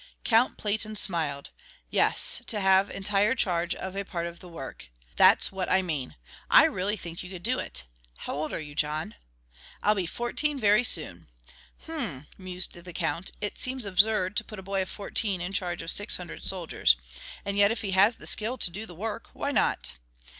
Count Platen smiled. "Yes, to have entire charge of a part of the work. That's what I mean. I really think you could do it. How old are you, John?" "I'll be fourteen very soon." "Hm," mused the Count, "It seems absurd to put a boy of fourteen in charge of six hundred soldiers. And yet if he has the skill to do the work, why not?